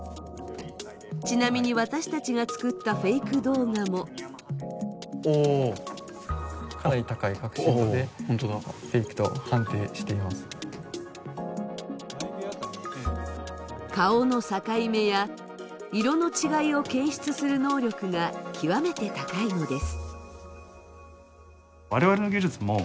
ちなみに私たちが作ったフェイク動画も顔の境目や色の違いを検出する能力が極めて高いのです。